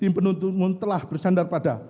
tim penuntutmu telah bersandar pada